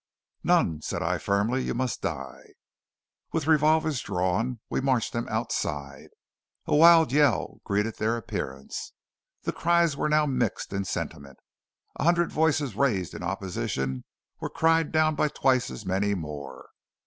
"None," said I firmly. "You must die." With revolvers drawn we marched them outside. A wild yell greeted their appearance. The cries were now mixed in sentiment. A hundred voices raised in opposition were cried down by twice as many more.